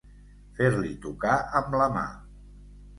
Fer-li tocar amb la mà.